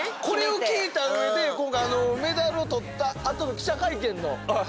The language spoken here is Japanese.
これを聞いた上で今回メダルを取ったあとの記者会見の。